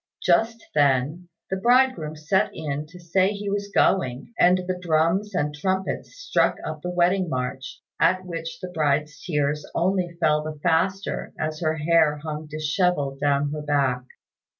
Just then the bridegroom sent in to say he was going, and the drums and trumpets struck up the wedding march, at which the bride's tears only fell the faster as her hair hung dishevelled down her back.